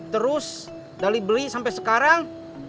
terus dari beli sampai sekarang